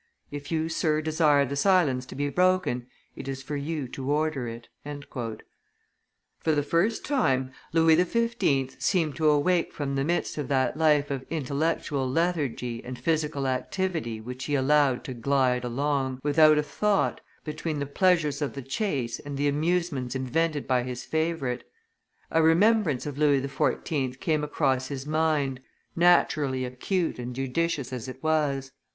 If you, Sir, desire the silence to be broken, it is for you to order it." For the first time Louis XV. seemed to awake from the midst of that life of intellectual lethargy and physical activity which he allowed to glide along, without a thought, between the pleasures of the chase and the amusements invented by his favorite; a remembrance of Louis XIV. came across his mind, naturally acute and judicious as it was.